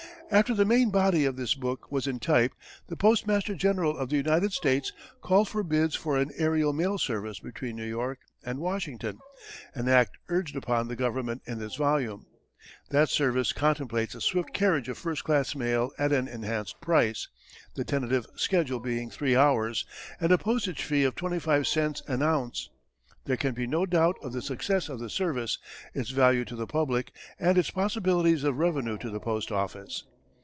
After the main body of this book was in type the Postmaster General of the United States called for bids for an aërial mail service between New York and Washington an act urged upon the Government in this volume. That service contemplates a swift carriage of first class mail at an enhanced price the tentative schedule being three hours, and a postage fee of twenty five cents an ounce. There can be no doubt of the success of the service, its value to the public, and its possibilities of revenue to the post office.